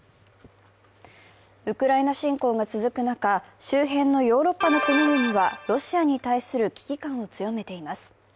ウクライナ侵攻が続く中、周辺のヨーロッパの国々はロシアに対する危機感を強めています。